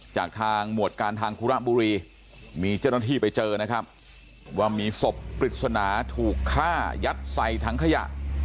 จากทางหมวดการทางคุระบุรีมีเจ้าหน้าที่ไปเจอนะครับว่ามีศพปริศนาถูกฆ่ายัดใส่ถังขยะ